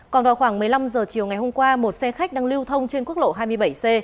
còn vào khoảng một mươi năm h chiều ngày hôm qua một xe khách đang lưu thông trên quốc lộ hai mươi bảy c